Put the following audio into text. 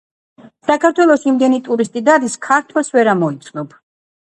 საქართველოში იმდენი ტურისტი დადის ქართველს ვერ ამოცნობ.